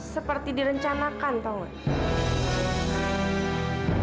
seperti direncanakan tahu nggak